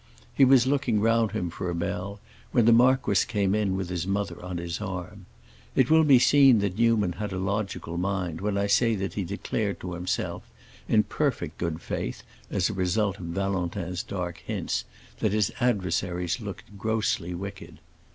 He was looking round him for a bell when the marquis came in with his mother on his arm. It will be seen that Newman had a logical mind when I say that he declared to himself, in perfect good faith, as a result of Valentin's dark hints, that his adversaries looked grossly wicked.